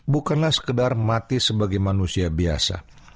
bukanlah sekedar mati sebagai manusia biasa